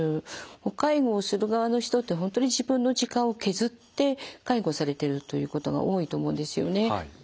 介護をする側の人って本当に自分の時間を削って介護されてるということが多いと思うんですよね。